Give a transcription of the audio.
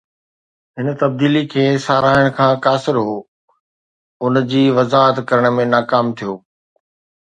هن تبديلي کي ساراهڻ کان قاصر، هو ان جي وضاحت ڪرڻ ۾ ناڪام ٿيو